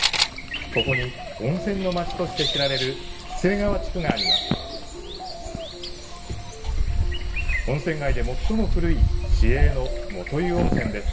ここに、温泉の町として知られる喜連川地区があります。